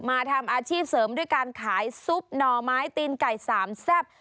มาทำอาชีพเสริมด้วยการขายซุปหน่อไม้ตีนไก่สามแซ่บ